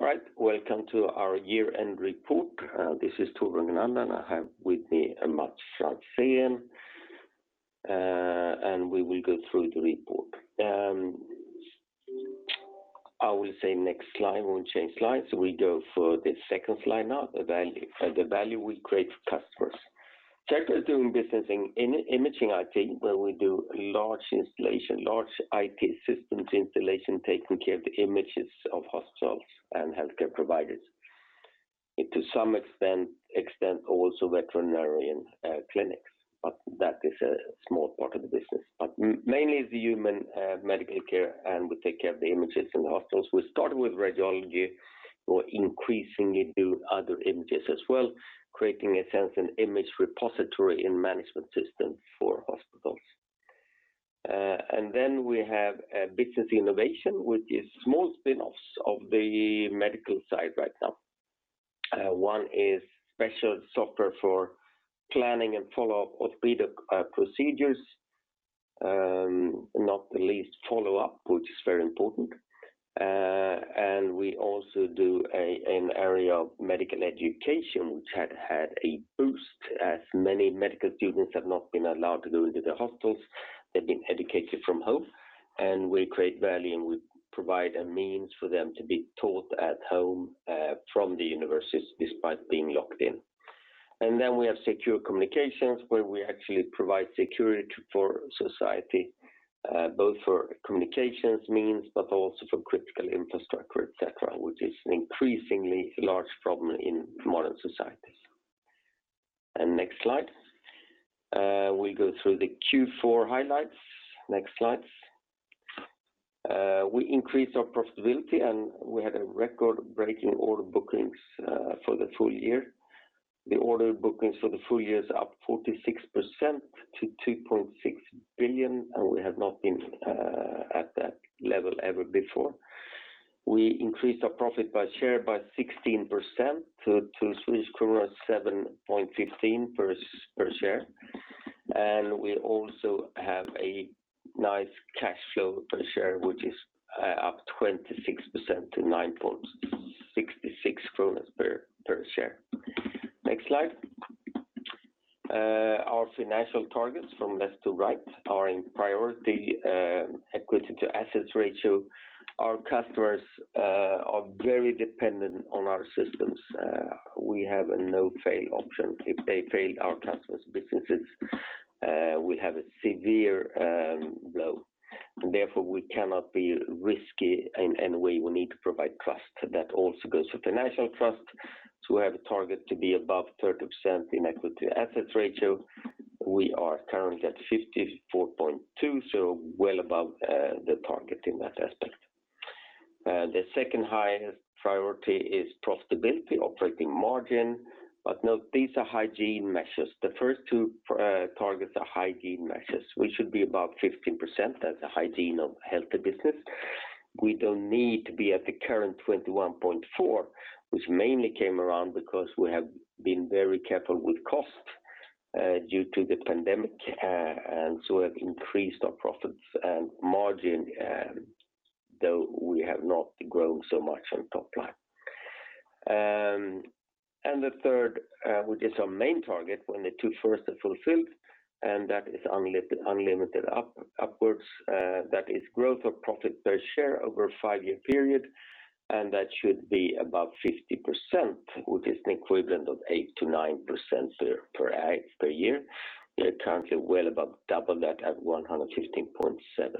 All right. Welcome to our year-end report. This is Torbjörn Kronander, and I have with me Mats Franzén, and we will go through the report. I will say next slide when we change slides. We go for the second slide now, the value we create for customers. Sectra is doing business in Imaging IT, where we do large installation, large IT systems installation, taking care of the images of hospitals and healthcare providers. To some extent, also veterinarian clinics, but that is a small part of the business. Mainly the human medical care, and we take care of the images in hospitals. We started with radiology, we're increasingly doing other images as well, creating a central image repository and management system for hospitals. Then we have Business Innovation, which is small spin-offs of the medical side right now. One is special software for planning and follow-up orthopaedic procedures, not the least follow-up, which is very important. We also do an area of Medical Education, which had a boost as many medical students have not been allowed to go into the hospitals. They've been educated from home. We create value, and we provide a means for them to be taught at home from the universities despite being locked in. We have Secure Communications, where we actually provide security for society, both for communications means, but also for critical infrastructure, et cetera, which is an increasingly large problem in modern societies. Next slide. We go through the Q4 highlights. Next slide. We increased our profitability, and we had record-breaking order bookings for the full year. The order bookings for the full year is up 46% to 2.6 billion. We have not been at that level ever before. We increased our profit by share by 16% to Swedish kronor 7.15 per share. We also have a nice cash flow per share, which is up 26% to 9.66 kronor per share. Next slide. Our financial targets from left to right are in priority, equity to assets ratio. Our customers are very dependent on our systems. We have a no-fail option. If they fail our customers' businesses, we have a severe blow, and therefore we cannot be risky in any way. We need to provide trust. That also goes for financial trust. We have a target to be above 30% in equity assets ratio. We are currently at 54.2%, so well above the target in that aspect. The second highest priority is profitability, operating margin. Note these are hygiene measures. The first two targets are hygiene measures, which should be above 15%. That's the hygiene of healthy business. We don't need to be at the current 21.4%, which mainly came around because we have been very careful with cost due to the pandemic, we have increased our profits and margin, though we have not grown so much on top line. The third, which is our main target when the two first are fulfilled, that is unlimited upwards, that is growth of profit per share over a five-year period, that should be above 50%, which is an equivalent of 8%-9% per year. We are currently well above double that at 115.7%.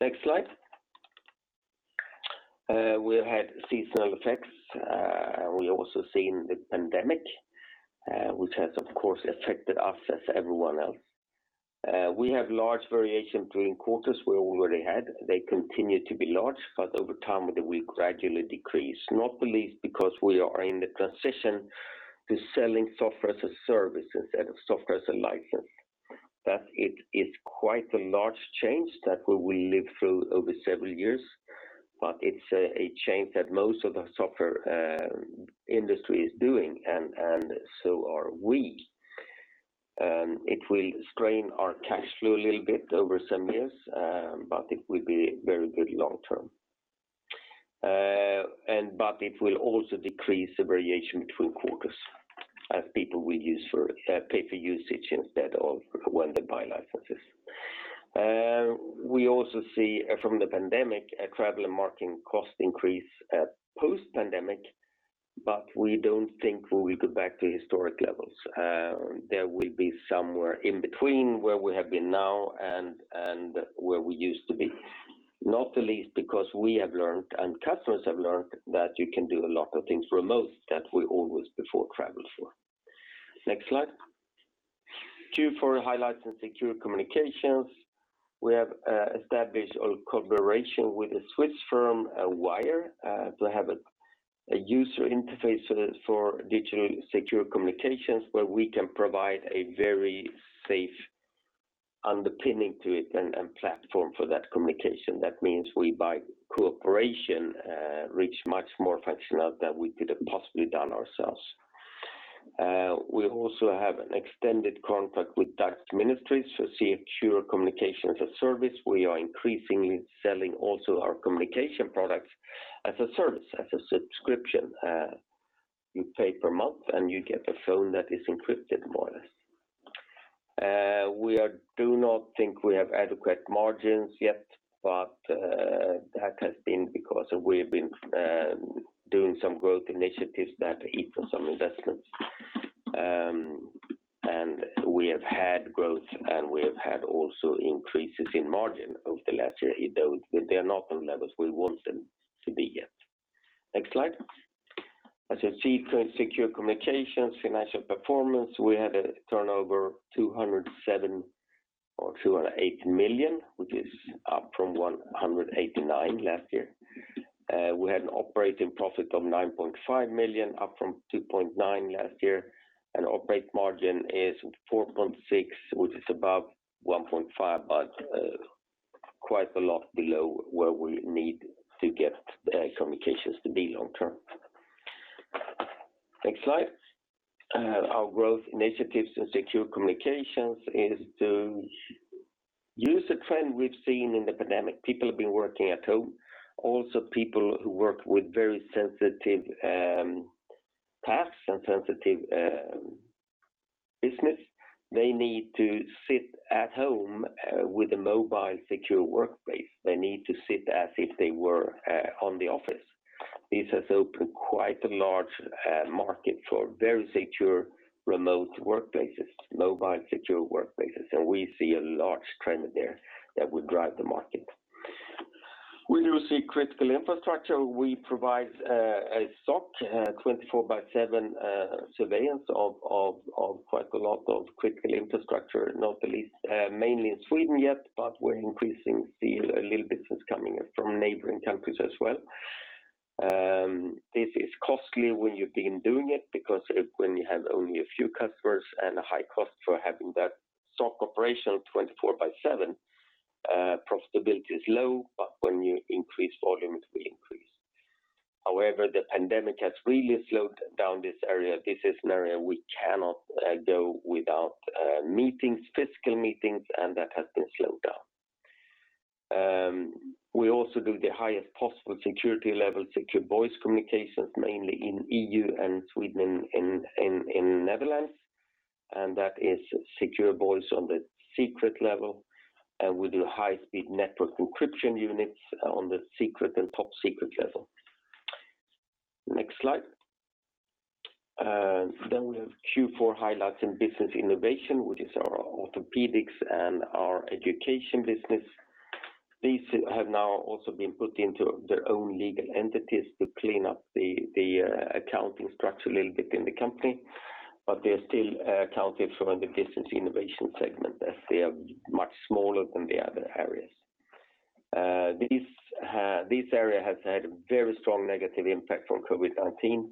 Next slide. We have seasonal effects. We're also seeing the pandemic, which has, of course, affected us as everyone else. We have large variations between quarters. We already had. They continue to be large, but over time they will gradually decrease, not the least because we are in the transition to selling Software as a Service instead of software as a license. That is quite a large change that we will live through over several years, but it's a change that most of the software industry is doing, and so are we. It will strain our cash flow a little bit over some years, but it will be very good long term. It will also decrease the variation between quarters as people pay for usage instead of when they buy licenses. We also see from the pandemic a travel and marketing cost increase post-pandemic, but we don't think we will go back to historic levels. There will be somewhere in between where we have been now and where we used to be. Not the least because we have learned, and customers have learned, that you can do a lot of things remote that we always before traveled for. Next slide. Q4 highlights in Secure Communications. We have established a cooperation with a Swiss firm, Wire, to have a user interface for digitally secure communications where we can provide a very safe underpinning to it and platform for that communication. That means we by cooperation, reach much more functionality than we could have possibly done ourselves. We also have an extended contract with Dutch Ministry for secure communications as a service. We are increasingly selling also our communication products as a service, as a subscription. You pay per month and you get a phone that is encrypted, more or less. We do not think we have adequate margins yet, that has been because we've been doing some growth initiatives that equal some investments. We have had growth, and we have had also increases in margin over the last year, though they're not on levels we want them to be yet. Next slide. As for Secure Communications financial performance, we had a turnover of 207 million or 208 million, which is up from 189 last year. We had an operating profit of 9.5 million, up from 2.9 last year. Operating margin is 4.6%, which is above 1.5%. Quite a lot below where we need to get the Secure Communications to be long term. Next slide. Our growth initiatives in Secure Communications is to use a trend we have seen in the pandemic. People have been working at home. People who work with very sensitive tasks and sensitive business, they need to sit at home with a mobile secure workplace. They need to sit as if they were in the office. This has opened quite a large market for very secure remote workplaces, mobile secure workplaces, and we see a large trend there that will drive the market. When you see critical infrastructure, we provide a SOC, 24 by seven surveillance of quite a lot of critical infrastructure, not the least, mainly in Sweden yet, but we're increasing. We see a little business coming in from neighboring countries as well. This is costly when you begin doing it, because when you have only a few customers and a high cost for having that SOC operation 24 by seven profitability is low. When you increase volume, it will increase. However, the pandemic has really slowed down this area. This is an area we cannot go without meetings, physical meetings, and that has been slowed down. We also do the highest possible security level secure voice communications, mainly in EU and Sweden and in Netherlands. That is secure voice on the secret level. We do high-speed network encryption units on the secret and top-secret level. Next slide. We have Q4 highlights in Business Innovation, which is our orthopaedics and our education business. These have now also been put into their own legal entities to clean up the accounting structure a little bit in the company. They are still accounted for under the Business Innovation segment, as they are much smaller than the other areas. This area has had a very strong negative impact from COVID-19.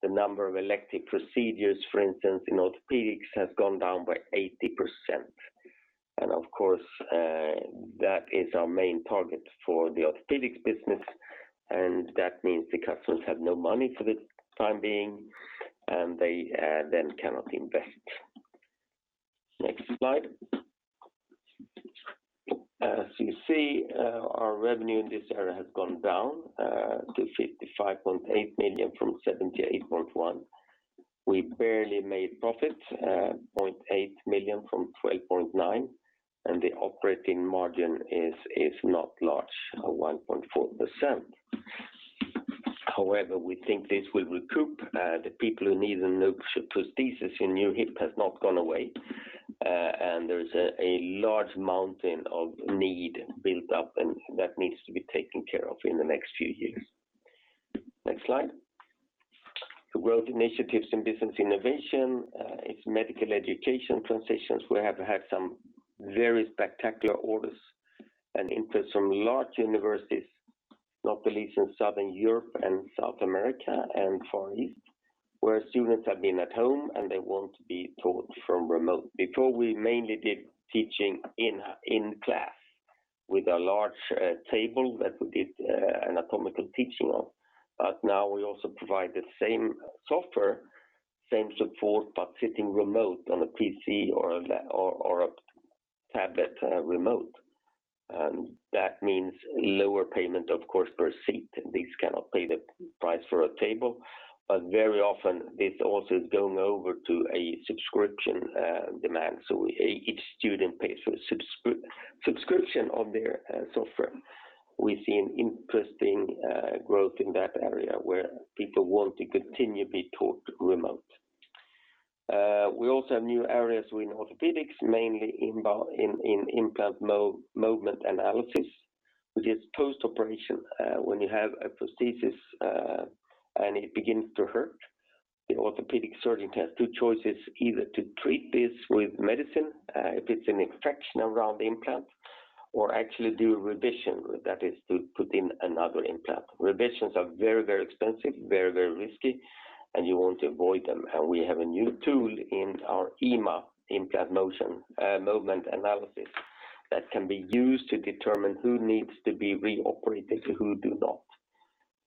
The number of elective procedures, for instance, in orthopaedics, has gone down by 80%. Of course, that is our main target for the orthopaedics business, that means the customers have no money for the time being, they then cannot invest. Next slide. As you see, our revenue in this area has gone down to 55.8 million from 78.1 million. We barely made profit, 0.8 million from 12.9 million, the operating margin is not large at 1.4%. However, we think this will recoup. The people who need a new prosthesis, a new hip has not gone away. There's a large mountain of need built up that needs to be taken care of in the next few years. Next slide. The growth initiatives in Business Innovation is Medical Education transitions. We have had some very spectacular orders into some large universities, not the least in Southern Europe and South America and Far East, where students have been at home, and they want to be taught from remote. Before we mainly did teaching in class with a large table that we did anatomical teaching on. Now we also provide the same software, same support, but sitting remote on a PC or a tablet remote. That means lower payment, of course, per seat. These cannot pay the price for a table. Very often this also comes over to a subscription demand, so each student pays for subscription on their software. We see an interesting growth in that area where people want to continue to be taught remote. We also have new areas within orthopaedics, mainly in Implant Movement Analysis, which is post-operation. When you have a prosthesis, and it begins to hurt, the orthopaedic surgeon has two choices: either to treat this with medicine, if it's an infection around the implant or actually do a revision. That is to put in another implant. Revisions are very expensive, very risky, and you want to avoid them. We have a new tool in our IMA, Implant Movement Analysis, that can be used to determine who needs to be re-operated and who do not.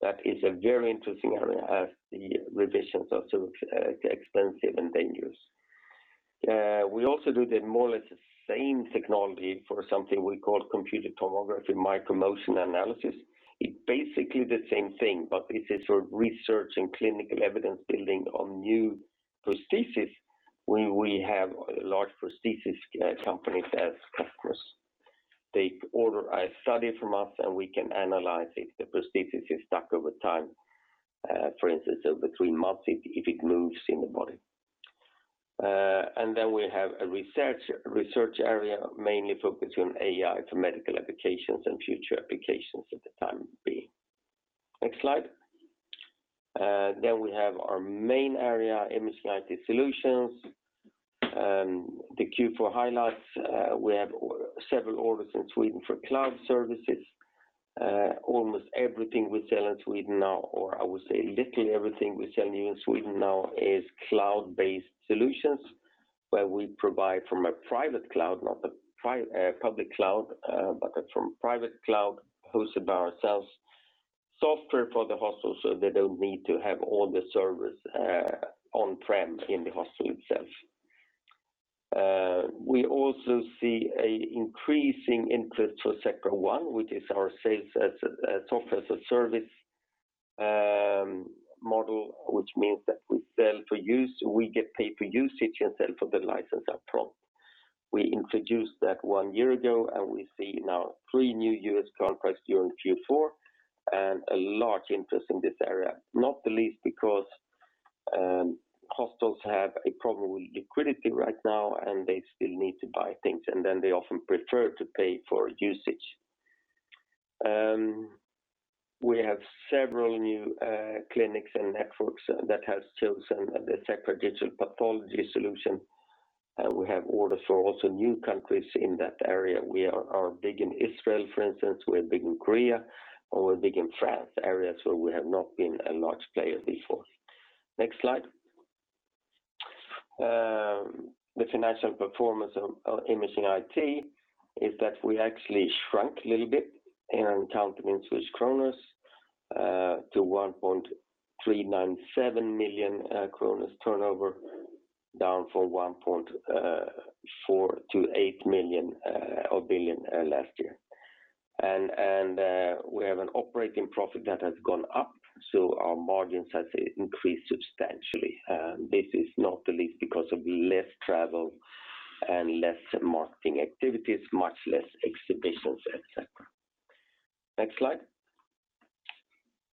That is a very interesting area as revisions are so expensive and dangerous. We also do more or less the same technology for something we call Computed Tomography Micromotion Analysis. It's basically the same thing, but it is research and clinical evidence building on new prosthesis, where we have large prosthesis companies that trust us. They order a study from us, we can analyze if the prosthesis is stuck over time. For instance, between months, if it moves in the body. We have a research area mainly focused on AI for medical applications and future applications at the time to be. Next slide. We have our main area, Imaging IT Solutions. The Q4 highlights, we have several orders in Sweden for cloud services. Almost everything we sell in Sweden now, or I would say literally everything we're selling in Sweden now, is cloud-based solutions, where we provide from a private cloud, not the public cloud, but from private cloud hosted by ourselves, software for the hospital, so they don't need to have all the servers on-prem in the hospital itself. We also see an increasing interest for Sectra One, which is our Software as a Service model, which means that we get paid for usage and sell for the license upfront. We introduced that one year ago, and we see now three new U.S. contracts during Q4 and a large interest in this area, not the least because hospitals have a problem with liquidity right now, and they still need to buy things. They often prefer to pay for usage. We have several new clinics and networks that have chosen the Sectra Digital Pathology Solution. We have orders for also new countries in that area. We are big in Israel, for instance, we are big in Korea, and we're big in France, areas where we have not been a large player before. Next slide. The financial performance of Imaging IT is that we actually shrunk a little bit in accounting in Swedish krona's to 1,397 million kronor turnover, down from 1,428 million last year. We have an operating profit that has gone up, so our margins have increased substantially. This is not the least because of less travel and less marketing activities, much less exhibitions, et cetera. Next slide.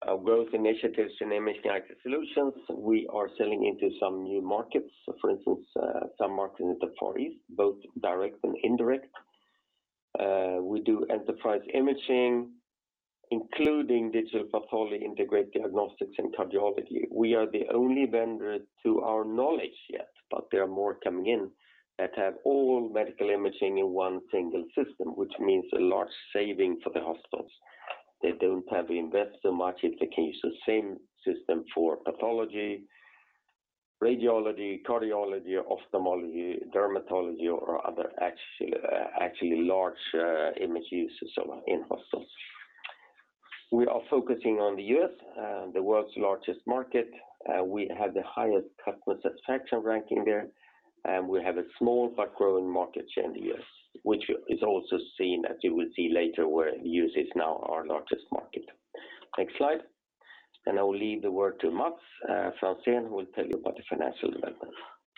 Our growth initiatives in Imaging IT Solutions, we are selling into some new markets. For instance, some markets in the Far East, both direct and indirect. We do Enterprise Imaging, including digital pathology, Integrated Diagnostics, and cardiology. We are the only vendor to our knowledge yet, but there are more coming in, that have all medical imaging in one single system, which means a large saving for the hospitals. They don't have to invest so much if they can use the same system for pathology, radiology, cardiology, ophthalmology, dermatology, or other actually large imaging systems in hospitals. We are focusing on the U.S., the world's largest market. We have the highest customer satisfaction ranking there, and we have a small but growing market share in the U.S., which is also seen, as you will see later, where the U.S. is now our largest market. Next slide. I will leave the word to Mats Franzén, here will tell you about the financials better.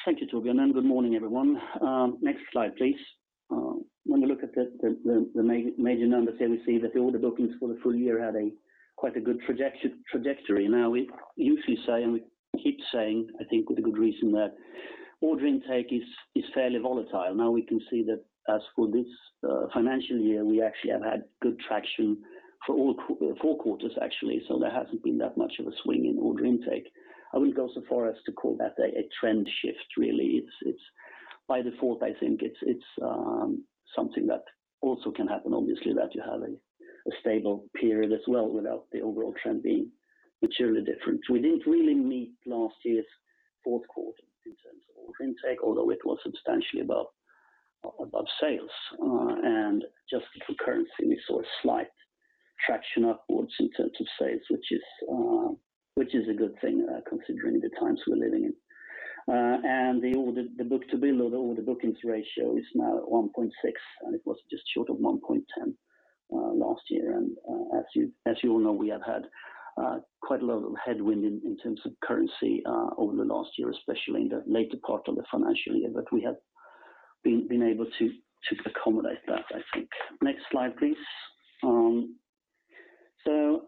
Thank you, Torbjörn. Good morning, everyone. Next slide, please. When we look at the major numbers there, we see that the order bookings for the full year had quite a good trajectory. We usually say, we keep saying, I think with a good reason, that order intake is fairly volatile. We can see that as for this financial year, we actually have had good traction for all four quarters, actually. There hasn't been that much of a swing in order intake. I wouldn't go so far as to call that a trend shift, really. By default, I think it's something that also can happen, obviously, that you have a stable period as well without the overall trend being materially different. We didn't really meet last year's fourth quarter in terms of order intake, although it was substantially above sales. Just with the currency, we saw a slight traction upwards in terms of sales, which is a good thing considering the times we're living in. The book-to-bill or the order bookings ratio is now at 1.6, and it was just short of 1.10 last year. As you all know, we have had quite a lot of headwind in terms of currency over the last year, especially in the later part of the financial year, but we have been able to accommodate that, I think. Next slide, please. The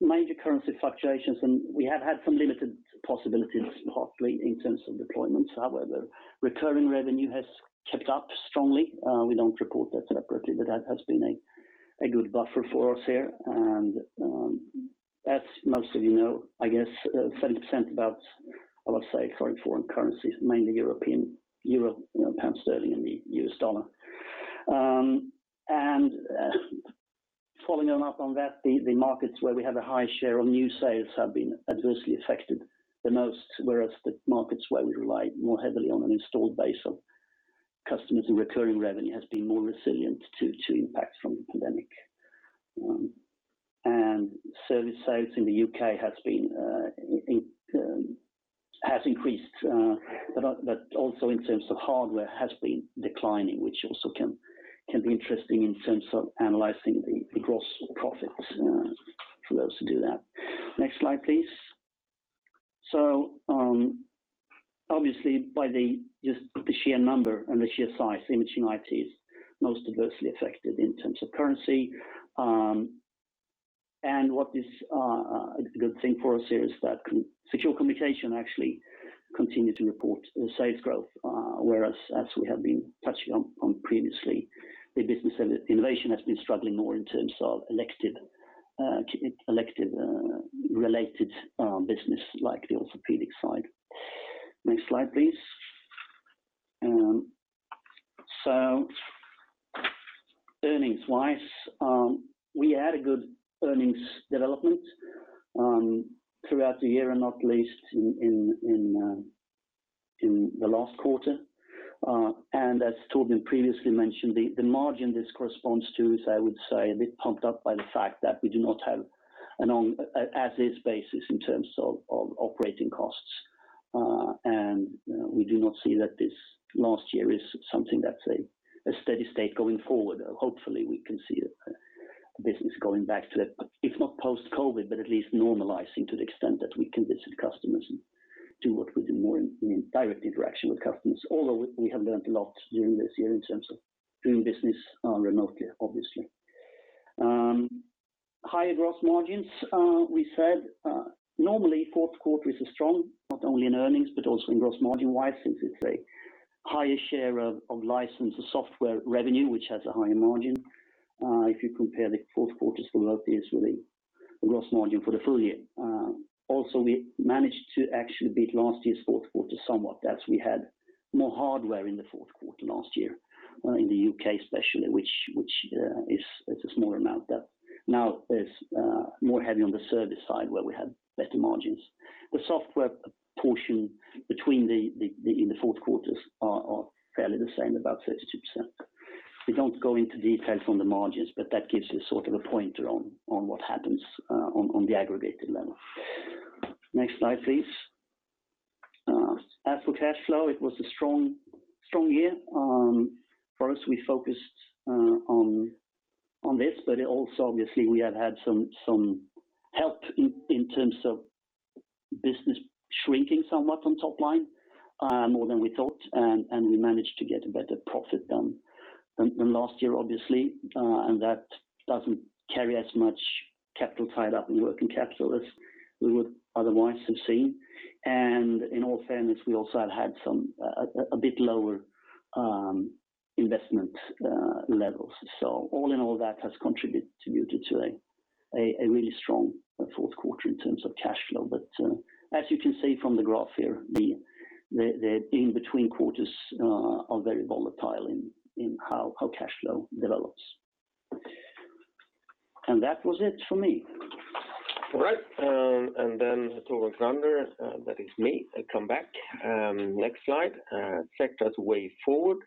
major currency fluctuations, and we have had some limited possibilities, partly in terms of deployments. However, the recurring revenue has kept up strongly. We don't report that separately, but that has been a good buffer for us here. As most of you know, I guess 70% of that, I would say, foreign currency is mainly European, pound sterling, and US dollar. Following up on that, the markets where we have a high share of new sales have been adversely affected the most, whereas the markets where we rely more heavily on an installed base of customers and recurring revenue has been more resilient to impacts from the pandemic. Service sales in the U.K. has increased, but also in terms of hardware has been declining, which also can be interesting in terms of analyzing the gross profits for those who do that. Next slide, please. Obviously by just the sheer number and the sheer size, Imaging IT is most adversely affected in terms of currency. What is a good thing for us here is that Secure Communications actually continued to report safe growth, whereas as we have been touching on previously, the Business Innovation has been struggling more in terms of elected related businesses like the orthopaedics side. Next slide, please. Earnings-wise, we had a good earnings development throughout the year and not least in the last quarter. As Torbjörn previously mentioned, the margin this corresponds to is, I would say, a bit pumped up by the fact that we do not have an as is basis in terms of operating costs. We do not see that this last year is something that's a steady state going forward, or hopefully we can see a business going back to, if not post-COVID, but at least normalizing to the extent that we can visit customers and do what we do more in direct interaction with customers. Although we have learned a lot during this year in terms of doing business remotely, obviously. Higher gross margins, we said. Normally, fourth quarter is a strong, not only in earnings, but also in gross margin-wise, since it's a higher share of license or software revenue, which has a higher margin. If you compare the fourth quarter to what is really the gross margin for the full year. Also, we managed to actually beat last year's fourth quarter somewhat as we had more hardware in the fourth quarter last year, in the U.K. especially, which is a smaller amount that now is more heavy on the service side where we have better margins. The software portion between in the fourth quarters are fairly the same, about 32%. We don't go into detail from the margins, but that gives you sort of a pointer on what happens on the aggregated level. Next slide, please. As for cash flow, it was a strong year. First, we focused on this, but it also obviously we have had some help in terms of business shrinking somewhat on top line, more than we thought, and we managed to get a better profit than last year, obviously, and that doesn't carry as much capital tied up in working capital as we would otherwise have seen. In all fairness, we also have had a bit lower investment levels. All in all, that has contributed to a really strong fourth quarter in terms of cash flow. As you can see from the graph here, the in between quarters are very volatile in how cash flow develops. That was it for me. All right, Torbjörn Kronander, that is me, I come back. Next slide. Sectra The Way Forward.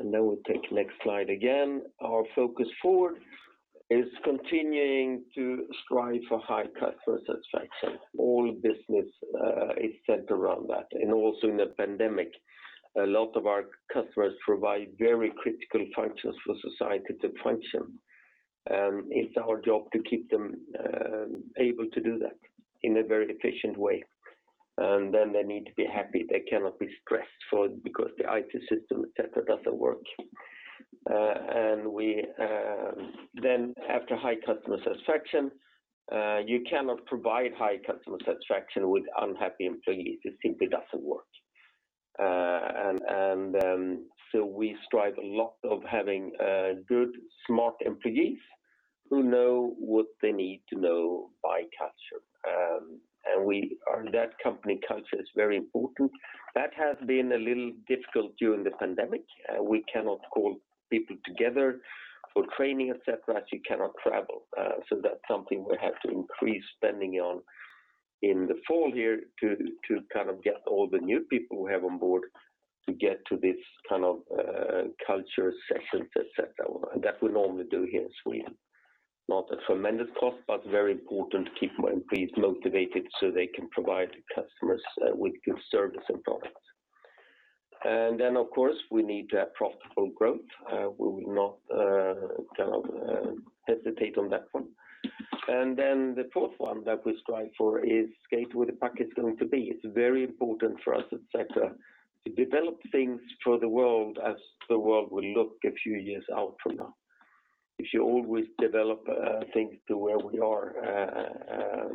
We take the next slide again. Our focus forward is continuing to strive for high customer satisfaction. All business is centered around that. Also in the pandemic, a lot of our customers provide very critical functions for society to function. It's our job to keep them able to do that in a very efficient way. They need to be happy. They cannot be stressed because the IT system, et cetera, doesn't work. After high customer satisfaction, you cannot provide high customer satisfaction with unhappy employees. It simply doesn't work. We strive a lot of having good, smart employees who know what they need to know by Sectra. That company culture is very important. That has been a little difficult during the pandemic. We cannot call people together for training, et cetera, as you cannot travel. That's something we have to increase spending on in the full year to kind of get all the new people we have on board to get to this kind of culture sessions, et cetera. That we normally do here in Sweden. Not a tremendous cost, but very important to keep employees motivated so they can provide customers with good service and products. Of course, we need to have profitable growth. We will not hesitate on that one. The fourth one that we strive for is Skate to where the puck is going to be. It's very important for us, et cetera, to develop things for the world as the world will look a few years out from now. If you always develop things to where we are,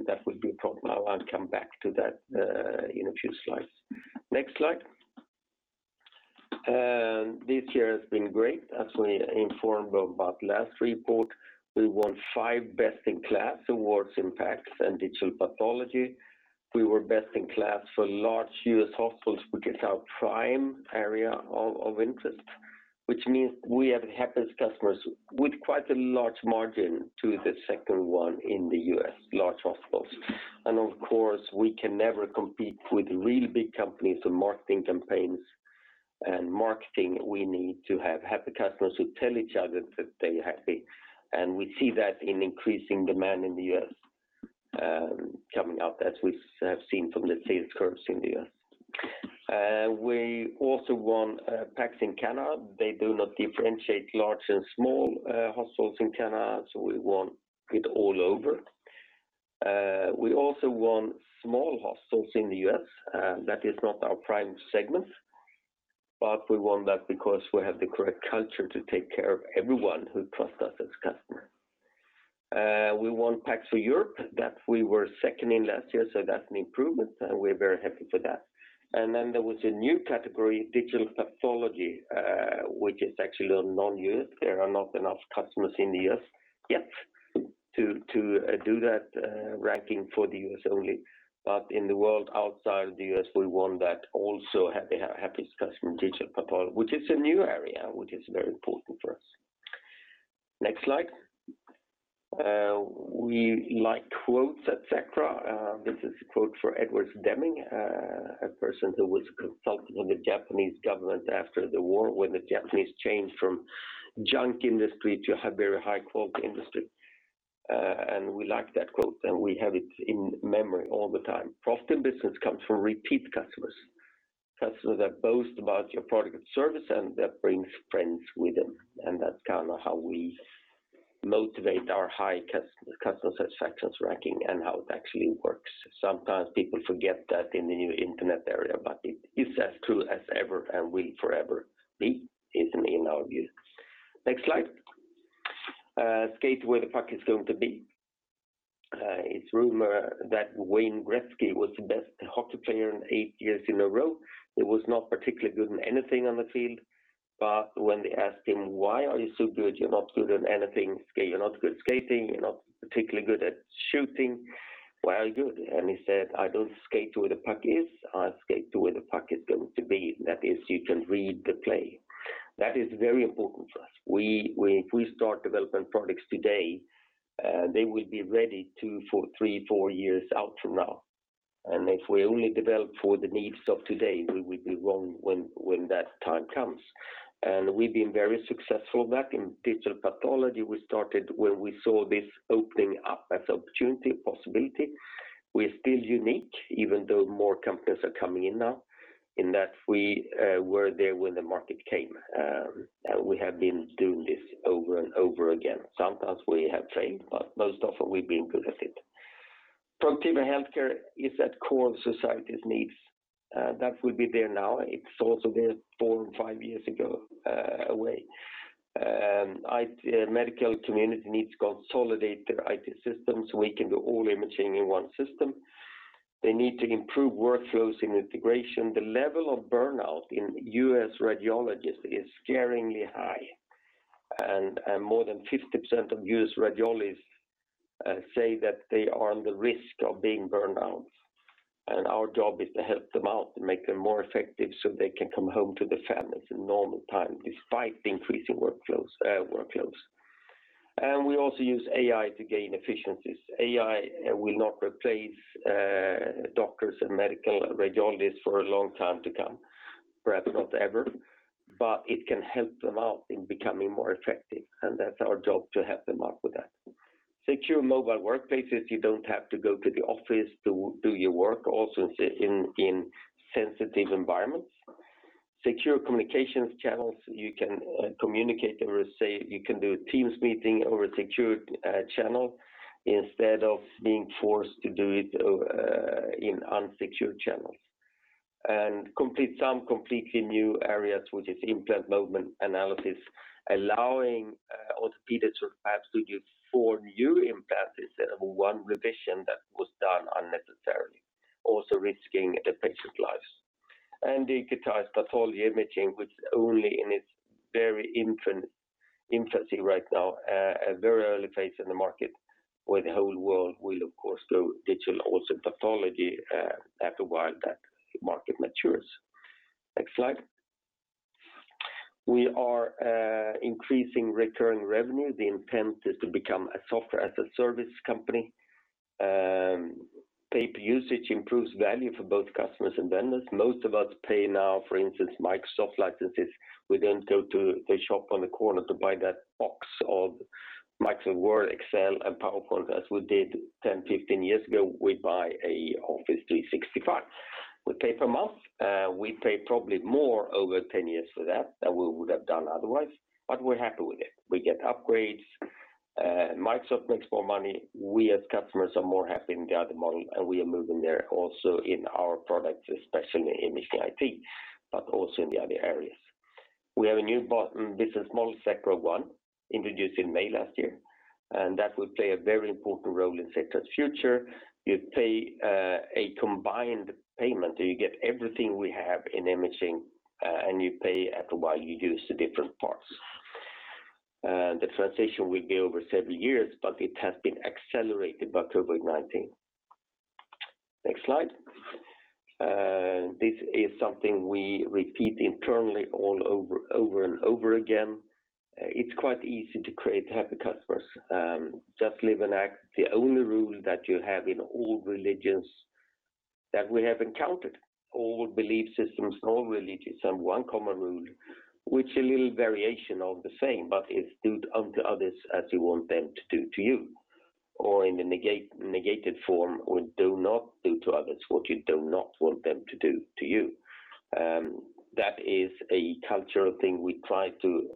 that will be a problem. I'll come back to that in a few slides. Next slide. This year has been great. As we informed about last report, we won five Best in KLAS Awards in PACS and digital pathology. We were Best in KLAS for large U.S. hospitals, which is our prime area of interest. Which means we have the happiest customers with quite a large margin to the second one in the U.S., large hospitals. Of course, we can never compete with really big companies on marketing campaigns and marketing. We need to have happy customers who tell each other that they're happy, and we see that in increasing demand in the U.S. coming up as we have seen from the sales curves in the U.S. We also won PACS in Canada. They do not differentiate large and small hospitals in Canada, so we won it all over. We also won small hospitals in the U.S. That is not our prime segment, but we won that because we have the correct culture to take care of everyone who trusts us as customer. We won PACS for Europe, that we were second in last year. That's an improvement, and we're very happy for that. Then there was a new category, digital pathology, which is actually a non-U.S. There are not enough customers in the U.S. yet to do that ranking for the U.S. only. In the world outside the U.S., we won that also, happy customers in digital pathology, which is a new area, which is very important for us. Next slide. We like quotes at Sectra. This is a quote from Edwards Deming, a person who was a consultant on the Japanese government after the war, when the Japanese changed from junk industry to a very high-quality industry. We like that quote, and we have it in memory all the time. Profit in business comes from repeat customers. Customers that boast about your product or service and that bring friends with them. That's how we motivate our high customer satisfaction ranking and how it actually works. Sometimes people forget that in the new internet era, it's as true as ever and will forever be, is in our view. Next slide. Skate to where the puck is going to be. It's rumored that Wayne Gretzky was the best hockey player in eight years in a row, he was not particularly good in anything on the field, when they asked him, "Why are you so good? You're not good at anything. You're not good at skating. You're not particularly good at shooting. Why are you good?" He said, "I don't skate to where the puck is. I skate to where the puck is going to be." That is, you can read the play. That is very important for us. If we start developing products today, they will be ready two, three, four years out from now. If we only develop for the needs of today, we will be wrong when that time comes. We've been very successful. Back in digital pathology, we started when we saw this opening up as opportunity possibility. We're still unique, even though more companies are coming in now, in that we were there when the market came. We have been doing this over and over again. Sometimes we have failed, most often we've been good at it. Proactive healthcare is at core of society's needs. That will be there now. It's also there four or five years away. Medical community needs consolidated IT systems so we can do all imaging in one system. They need to improve workflows and integration. The level of burnout in U.S. radiologists is scarily high, and more than 50% of U.S. radiologists say that they are on the risk of being burned out. Our job is to help them out, to make them more effective so they can come home to their families in normal time despite the increasing workloads. We also use AI to gain efficiencies. AI will not replace doctors and medical radiologists for a long time to come, perhaps not ever, but it can help them out in becoming more effective, and that's our job to help them out with that. Secure mobile workplaces, you don't have to go to the office to do your work, also in sensitive environments. Secure communications channels, you can communicate or say you can do a Teams meeting over a secured channel instead of being forced to do it in unsecured channels. Some completely new areas, which is Sectra Implant Movement Analysis, allowing orthopaedic surgeons to use four new implants instead of one revision that was done unnecessarily, also risking patient lives. Digitized pathology imaging, which is only in its very infancy right now, a very early phase in the market, where the whole world will, of course, go digital also in pathology as the market matures. Next slide. We are increasing recurring revenue. The intent is to become a Software as a Service company. Paid usage improves value for both customers and vendors. Most of us pay now, for instance, Microsoft licenses. We don't go to the shop on the corner to buy that box of Microsoft Word, Excel, and PowerPoint as we did 10, 15 years ago. We buy Office 365. We pay per month. We pay probably more over 10 years for that than we would have done otherwise, but we're happy with it. We get upgrades. Microsoft makes more money. We as customers are more happy with the other money, and we are moving there also in our products, especially in Imaging IT, but also in the other areas. We have a new bottom, business model Sectra One, introduced in May last year. That will play a very important role in Sectra's future. You pay a combined payment, so you get everything we have in imaging, and you pay as you use the different parts. The transition will be over several years, but it has been accelerated by COVID-19. Next slide. This is something we repeat internally over and over again. It's quite easy to create happy customers. Just live and act. The only rule that you have in all religions that we have encountered, all belief systems and all religions have one common rule, which a little variation of the same, but it's do unto others as you want them to do to you. In the negated form, do not do to others what you do not want them to do to you. That is a cultural thing we try to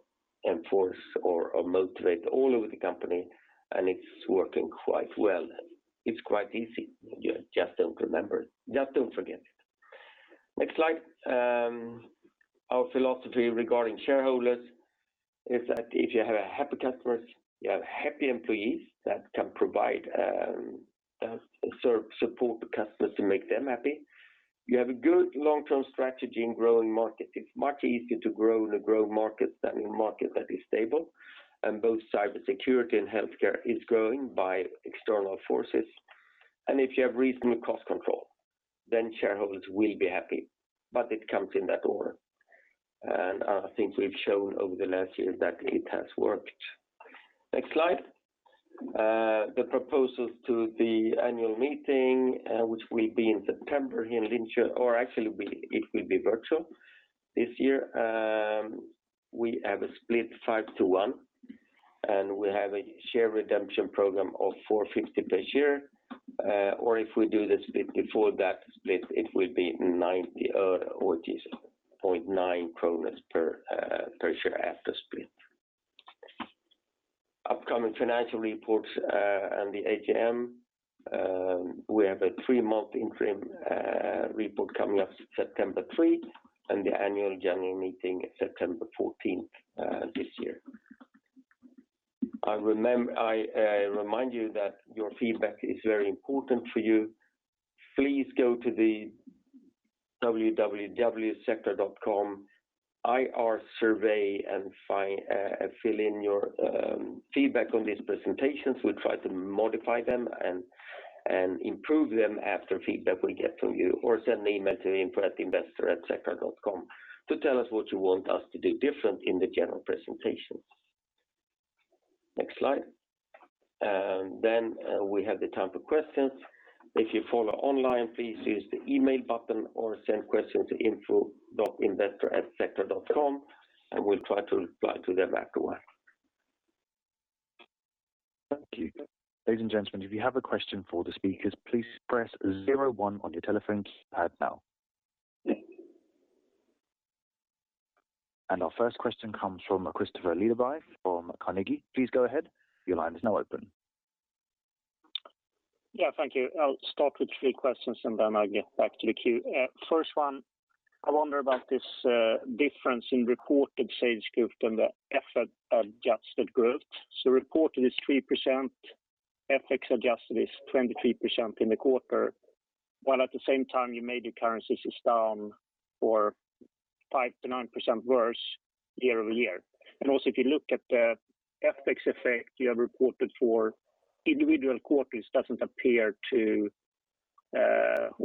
enforce or motivate all over the company, and it's working quite well. It's quite easy. Just don't forget. Next slide. Our philosophy regarding shareholders is that if you have happy customers, you have happy employees that can provide and support the customers to make them happy. You have a good long-term strategy in growing markets. It's much easier to grow in a growing market than in a market that is stable, and both cybersecurity and healthcare is growing by external forces. If you have reasonable cost control, shareholders will be happy. It comes in that order, and I think we've shown over the last year that it has worked. Next slide. The proposals to the annual meeting, which will be in September here in Linköping, or actually, it will be virtual this year. We have a split 5:1, and we have a share redemption program of 450 per share. If we do the split before that split, it will be 90 or 80.9 kronor per share after split. Upcoming financial reports and the AGM. We have a three-month interim report coming up September 3rd, and the annual general meeting is September 14th this year. I remind you that your feedback is very important for you. Please go to the www.sectra.com IR survey and fill in your feedback on these presentations. We'll try to modify them and improve them after feedback we get from you, or send an email to info.investor@sectra.com to tell us what you want us to do different in the general presentations. Next slide. We have the time for questions. If you follow online, please use the email button or send questions to info.investor@sectra.com, and we'll try to reply to them right away. Thank you. Ladies and gentlemen, if you have a question for the speakers, please press zero one on your telephone keypad now. Our first question comes from Kristofer Liljeberg from Carnegie. Please go ahead. Your line is now open. Yeah, thank you. I'll start with three questions, and then I'll get back to the queue. First one, I wonder about this difference in reported sales growth and the FX-adjusted growth. Reported is 3%, FX-adjusted is 23% in the quarter, while at the same time, your major currency is down or 5%-9% worse year-over-year. Also, if you look at the FX effect you have reported for individual quarters,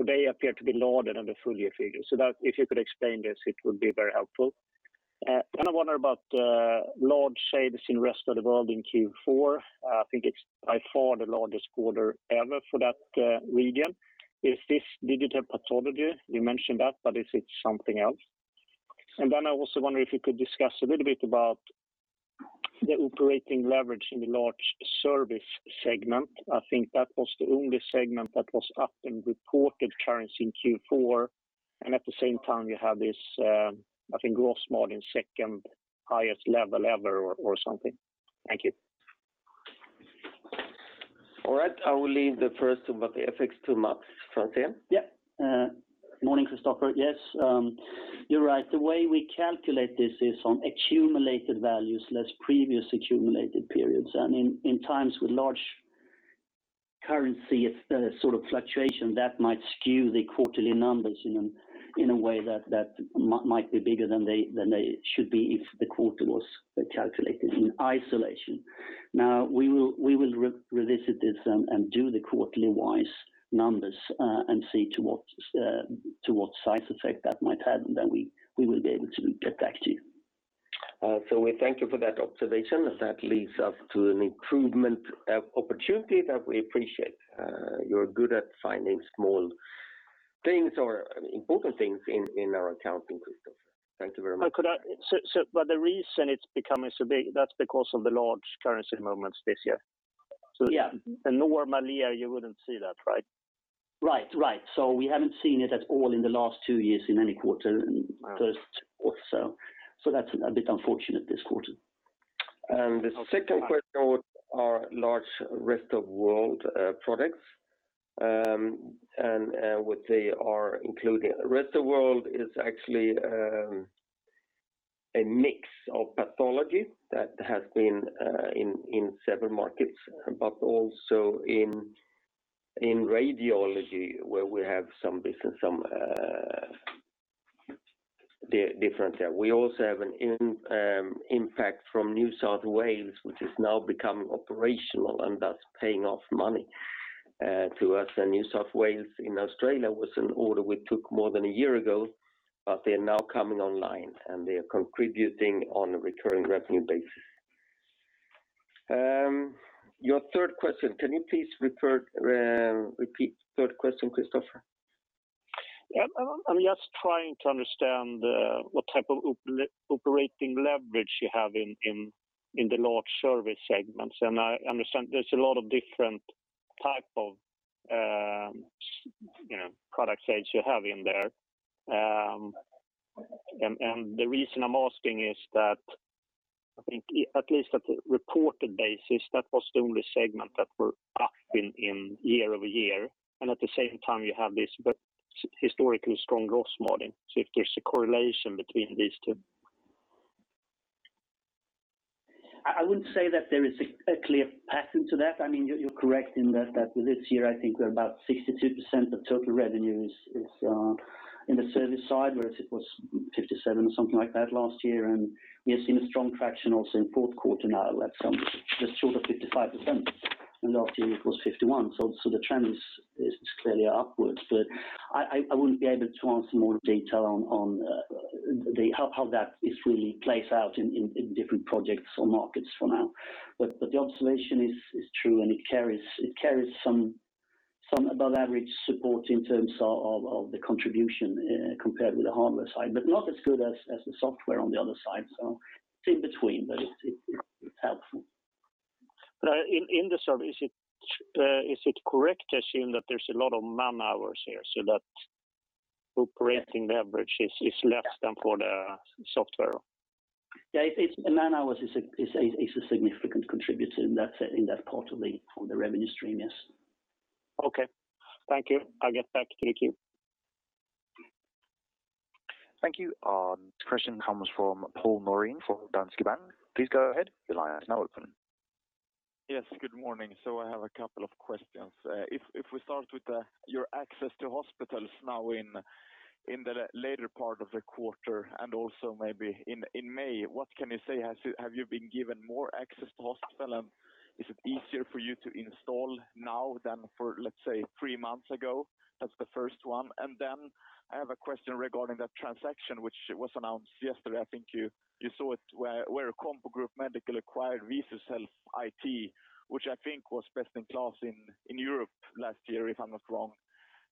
they appear to be larger than the full year figures. That, if you could explain this, it would be very helpful. I wonder about the large sales in the rest of the world in Q4. I think it's by far the largest quarter ever for that region. Is this digital pathology? You mentioned that, but if it's something else. I also wonder if you could discuss a little bit about the operating leverage in the large service segment. I think that was the only segment that was up in reported currency in Q4, and at the same time, you have this, I think, gross margin second highest level ever or something. Thank you. All right. I will leave the first one about the FX to Mats. Okay. Yeah. Morning, Kristofer. Yes, you're right. The way we calculate this is on accumulated values, less previous accumulated periods, and in times with large currency fluctuation, that might skew the quarterly numbers in a way that might be bigger than they should be if the quarter was calculated in isolation. Now, we will revisit this and do the quarterly wise numbers and see to what size effect that might have, and then we will be able to get back to you. We thank you for that observation, as that leads us to an improvement opportunity that we appreciate. You're good at finding small things or important things in our accounting, Kristofer. Thank you very much. The reason it's becoming so big, that's because of the large currency movements this year. Yeah. In normal year, you wouldn't see that, right? Right. We haven't seen it at all in the last two years in any quarter, in the first quarter. That's a bit unfortunate this quarter. The second question are large rest of world products, and what they are including. Rest of world is actually a mix of pathology that has been in several markets, but also in radiology where we have some business on the difference there. We also have an impact from New South Wales, which has now become operational and thus paying off money to us. New South Wales in Australia was an order we took more than a year ago, they're now coming online, and they are contributing on a recurring revenue basis. Your third question, can you please repeat the third question, Kristoffer? Yeah. I'm just trying to understand what type of operating leverage you have in the large service segments. I understand there's a lot of different type of product sets you have in there. The reason I'm asking is that I think at least at the reported basis, that was the only segment that were up in year-over-year. At the same time, you have this historically strong gross margin. If there's a correlation between these two? I wouldn't say that there is a clear pattern to that. You're correct in that this year, I think we're about 62% of total revenue is in the service side, whereas it was 57% or something like that last year. We have seen a strong traction also in fourth quarter now where it's just short of 55%, and last year it was 51%. The trend is clearly upwards. I wouldn't be able to answer more detail on how that is really plays out in different projects or markets for now. The observation is true, and it carries some above average support in terms of the contribution compared to the hardware side, but not as good as the software on the other side. It's in between, but it's helpful. In the service, is it correct to assume that there's a lot of man-hours here so that operating leverage is less than for the software? Yeah. Man-hours is a significant contributor in that part from the revenue stream, yes. Okay. Thank you. I'll get back to you. Thank you. Next question comes from Karl Norén from Danske Bank. Please go ahead, your line is now open. Yes, good morning. I have a couple of questions. If we start with your access to hospital now in the later part of the quarter and also maybe in May, what can you say? Have you been given more access to hospital, and is it easier for you to install now than for, let's say, three months ago? That's the first one. I have a question regarding the transaction, which was announced yesterday. I think you saw it where CompuGroup Medical acquired VISUS Health IT, which I think was Best in KLAS in Europe last year, if I'm not wrong.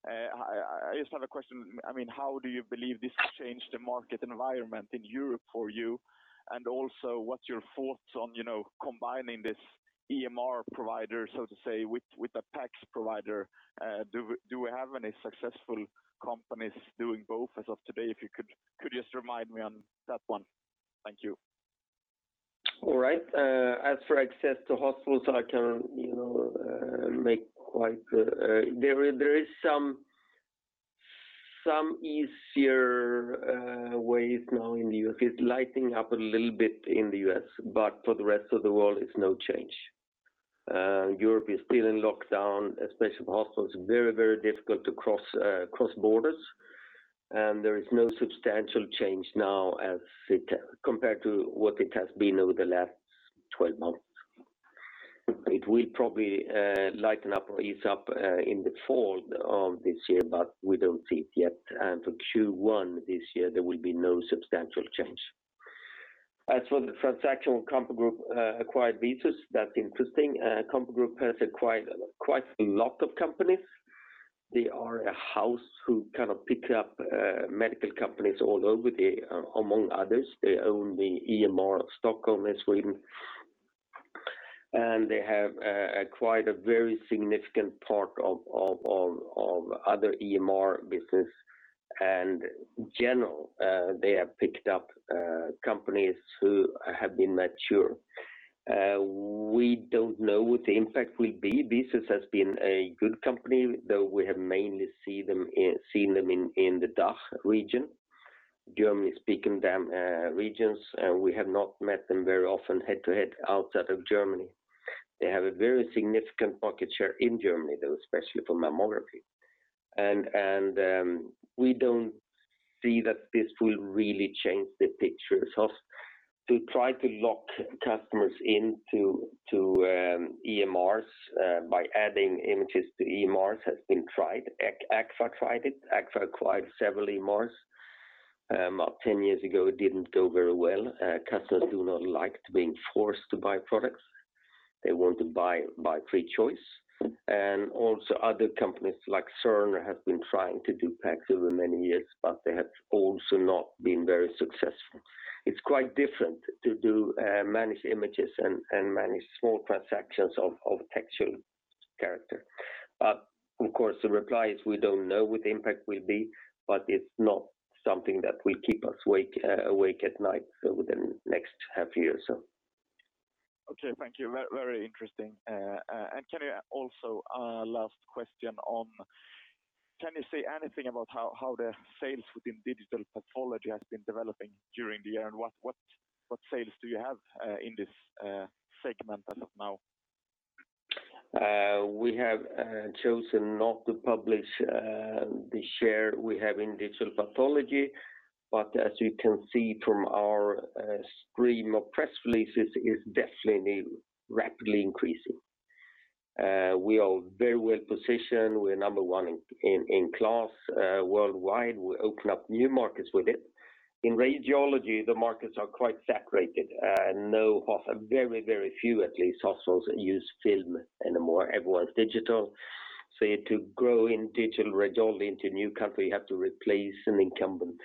I just want a question, how do you believe this changed the market environment in Europe for you? What's your thoughts on combining this EMR provider, so to say, with a PACS provider? Do we have any successful companies doing both as of today? If you could just remind me on that one. Thank you. All right. As for access to hospitals, there is some easier ways now in the U.S. It's lighting up a little bit in the U.S., for the rest of the world, it's no change. Europe is still in lockdown, especially hospitals. Very difficult to cross borders. There is no substantial change now compared to what it has been over the last 12 months. It will probably lighten up, ease up, in the fall of this year, we don't see it yet. For Q1 this year, there will be no substantial change. As for the transaction with CompuGroup acquired VISUS, that's interesting. CompuGroup has acquired quite a lot of companies. They are a house who pick up medical companies all over, among others. They own the EMR of Stockholm in Sweden, and they have acquired a very significant part of other EMR business. In general, they have picked up companies who have been mature. We don't know what the impact will be. VISUS has been a good company, though we have mainly seen them in the DACH region, German-speaking regions. We have not met them very often head-to-head outside of Germany. They have a very significant market share in Germany, though, especially for mammography. We don't see that this will really change the picture. To try to lock customers into EMRs by adding images to EMRs has been tried. XRA tried it. XRA acquired several EMRs about 10 years ago. It didn't go very well. Customers do not like to be enforced to buy products. They want to buy by free choice. Also other companies like Cerner have been trying to do PACS over many years, but they have also not been very successful. It's quite different to manage images and manage small transactions of textual character. Of course, the reply is we don't know what the impact will be, but it's not something that will keep us awake at night within next half year or so. Okay. Thank you. Very interesting. Can I also, last question on, can you say anything about how the sales within digital pathology has been developing during the year, and what sales do you have in this segment as of now? We have chosen not to publish the share we have in digital pathology, but as you can see from our stream of press releases, it's definitely rapidly increasing. We are very well positioned. We're number one in class worldwide. We open up new markets with it. In radiology, the markets are quite saturated. Very few hospitals use film anymore. Everyone's digital. To grow in digital radiology into new country, you have to replace an incumbent.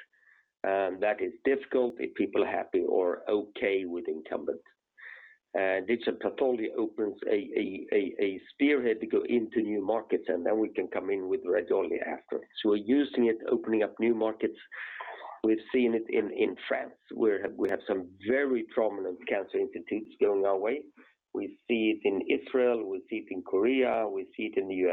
That is difficult if people are happy or okay with incumbents. Digital pathology opens a spearhead to go into new markets, and then we can come in with radiology after. We're using it, opening up new markets. We've seen it in France, where we have some very prominent cancer institutes going our way. We see it in Israel, we see it in Korea, we see it in the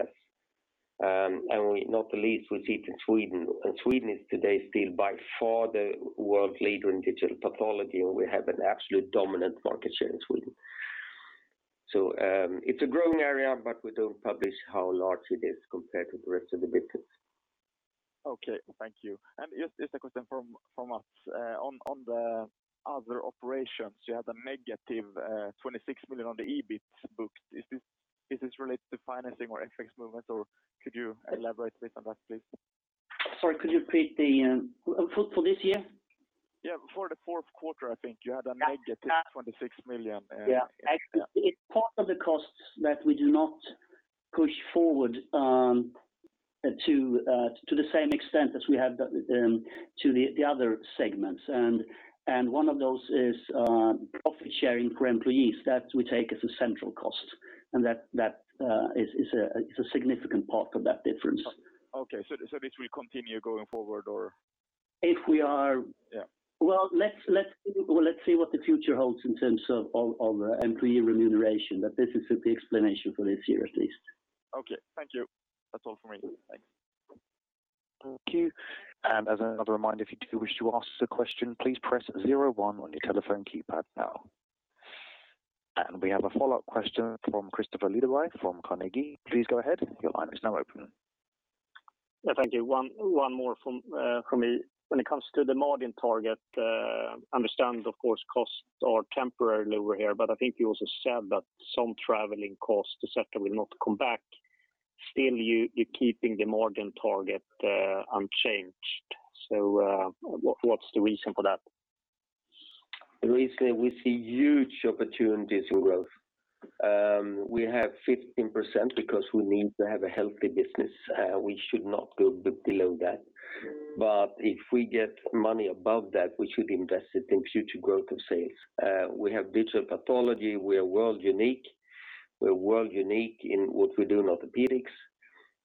U.S. Not the least, we see it in Sweden. Sweden is today still by far the world leader in digital pathology. We have an absolute dominant market share in Sweden. It's a growing area, but we don't publish how large it is compared to the rest of the business. Okay. Thank you. Just as a question from us, on the other operations, you had a -26 million on the EBIT booked. Is this related to financing or FX movements, or could you elaborate a bit on that, please? Sorry, could you put this year? Yeah, for the fourth quarter, I think you had a -26 million. Yeah. It is part of the costs that we do not push forward to the same extent as we have to the other segments. One of those is profit sharing for employees that we take as a central cost, and that is a significant part of that difference. Okay, this will continue going forward, or? Well, let's see what the future holds in terms of employee remuneration, but this is the explanation for this year at least. Okay, thank you. That's all from me. Thank you. As a reminder, if you do wish to ask the question, please press zero one on your telephone keypad now. We have a follow-up question from Kristofer Liljeberg from Carnegie. Please go ahead. Your line is now open. Thank you. One more from me. When it comes to the margin target, I understand, of course, costs are temporarily over here, but I think you also said that some traveling costs, et cetera, will not come back. Still, you're keeping the margin target unchanged. What's the reason for that? We see huge opportunities for growth. We have 15% because we need to have a healthy business. We should not go below that. If we get money above that, we should invest it in future growth and sales. We have digital pathology. We are world unique. We're world unique in what we do in orthopaedics.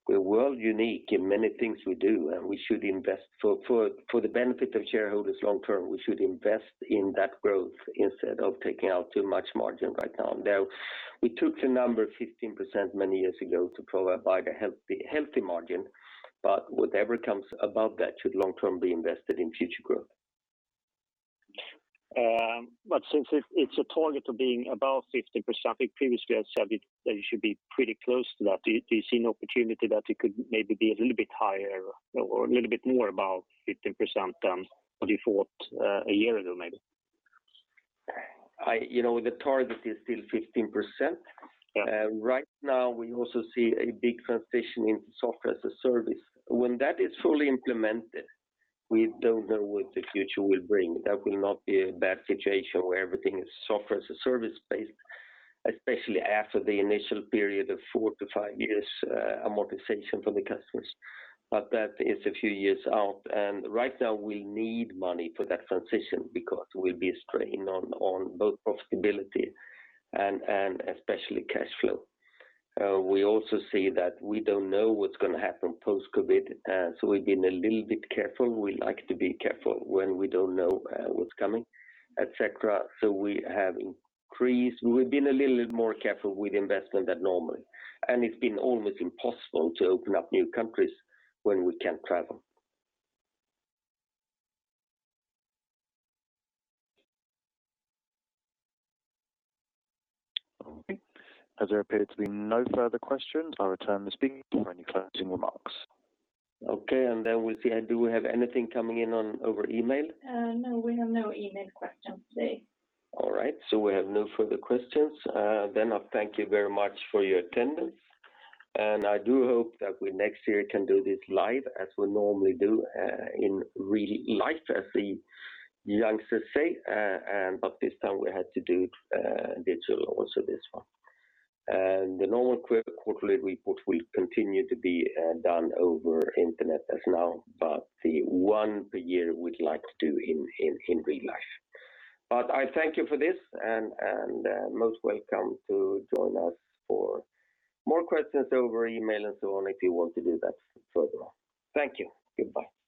We're world unique in many things we do, and for the benefit of shareholders long term, we should invest in that growth instead of taking out too much margin right now. Now, we took the number 15% many years ago to provide a healthy margin, but whatever comes above that should long term be invested in future growth. Since it's a target of being above 15%, I think previously you said it should be pretty close to that. Do you see an opportunity that it could maybe be a little bit higher or a little bit more above 15% than what you thought a year ago, maybe? The target is still 15%. Right. Right now, we also see a big transition into Software as a Service. When that is fully implemented, we don't know what the future will bring. That will not be a bad situation where everything is Software as a Service-based, especially after the initial period of four to five years amortization for the customers. That is a few years out. Right now we need money for that transition because there will be a strain on both profitability and especially cash flow. We also see that we don't know what's going to happen post-COVID, we've been a little bit careful. We like to be careful when we don't know what's coming, et cetera. We've been a little bit more careful with investment than normal, and it's been almost impossible to open up new countries when we can't travel. Okay. As there appear to be no further questions, I'll return to speaker for any closing remarks. Okay. We see, do we have anything coming in over email? No, we have no email questions today. All right. We have no further questions. I thank you very much for your attendance. I do hope that next year we can do this live as we normally do in real life, as the youngsters say, but this time we had to do virtual also this one. The normal quarterly report will continue to be done over the internet as now, but the one per year we'd like to do in real life. I thank you for this, and most welcome to join us for more questions over email and so on if you want to do that further on. Thank you. Goodbye.